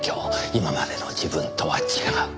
今までの自分とは違う。